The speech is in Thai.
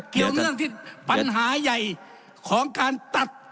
มันเป็นการที่ปัญหาใหญ่ของการตัด